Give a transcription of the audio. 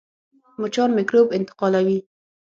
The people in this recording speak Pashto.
مچان میکروب انتقالوي